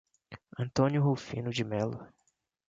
Antônio Rufino de Melo